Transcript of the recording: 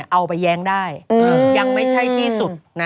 เอาไปแย้งได้ยังไม่ใช่ที่สุดนะ